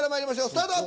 スタート。